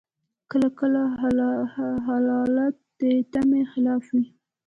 کله کله حالات د تمي خلاف وي.